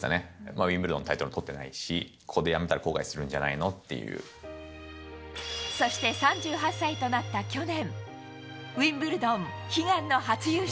ウィンブルドンのタイトル取ってないし、ここでやめたら後悔するそして３８歳となった去年、ウィンブルドン悲願の初優勝。